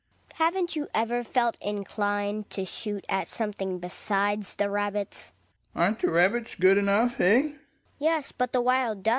Haven't you ever felt inclined to shoot at something besides the rabbits. Ekdal. Aren't the rabbits good enough, eh ? Hedvig. Yes, but the wild duck ?